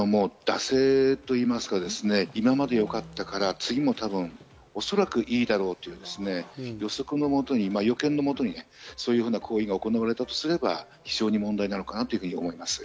惰性と言いますか、今までよかったからおそらくいいだろうと、予測のもとに予見のもとに、そのような行為が行われたとすれば非常に問題なのかなと思います。